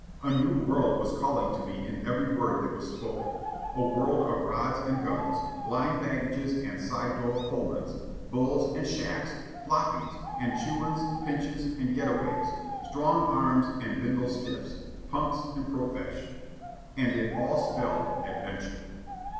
A new world was calling to me in every word that was spoken a world of rods and gunnels, blind baggages and "side door Pullmans," "bulls" and "shacks," "floppings" and "chewin's," "pinches" and "get aways," "strong arms" and "bindle stiffs," "punks" and "profesh." And it all spelled Adventure.